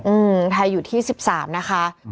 อืมไทยอยู่ที่๑๓นะคะ